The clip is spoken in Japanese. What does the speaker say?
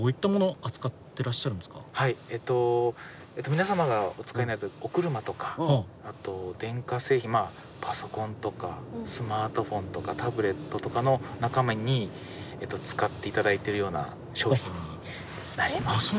皆様がお使いになるお車とかあと電化製品まあパソコンとかスマートフォンとかタブレットとかの中身に使って頂いてるような商品になります。